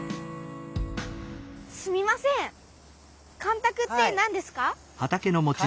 すみません干たくって何ですか？